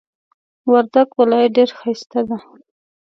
وردک ولایت ډیر ښایسته دی.